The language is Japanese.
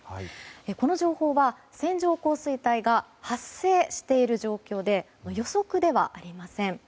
この情報は線状降水帯が発生している状況で予測ではありません。